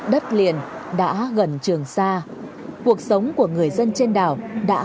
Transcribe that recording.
đất liền đã gần trường xa cuộc sống của người dân trên đảo đã được đánh giá